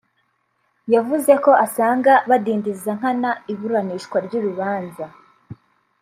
yavuze ko asanga badindiza nkana iburanishwa ry’urubanza